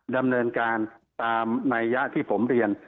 ดำเนินการตามนัยยะที่ผมเรียน